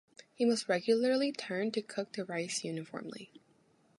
He must regularly turned to cook the rice uniformly.